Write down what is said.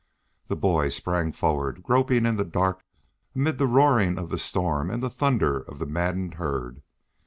The boy sprang forward, groping in the dark amid the roaring of the storm and the thunder of the maddened herd.